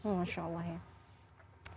masya allah ya